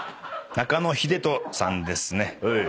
中野英斗さんですね。